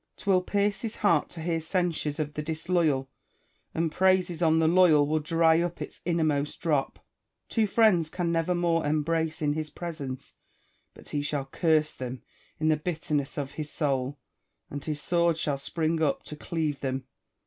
'Twill pierce his heart to hear censures of the disloyal ; and praises on the loyal will dry up its innermost drop. Two friends can never more em brace in his presence but he shall curse them in the bitter ness of his soul, and his sword shall spring up to cleave them.